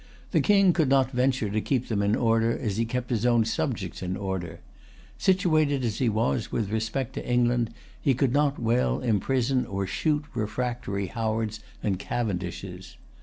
The King could not venture to keep them in order as he kept his own subjects in order. Situated as he was with respect to England, he could not well[Pg 318] imprison or shoot refractory Howards and Cavendishes.